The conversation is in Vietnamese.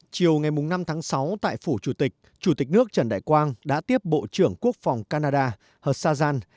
chiều ngày năm tháng sáu tại phủ chủ tịch chủ tịch nước trần đại quang đã tiếp bộ trưởng quốc phòng canada hasajan